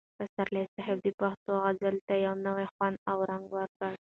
پسرلي صاحب د پښتو غزل ته یو نوی خوند او رنګ ورکړ.